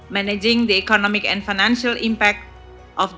menganjurkan pengaruh ekonomi dan finansial